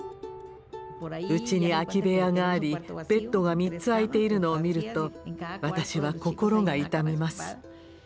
うちに空き部屋がありベッドが３つ空いているのを見ると私は心が痛みます。